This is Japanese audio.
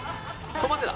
止まってた？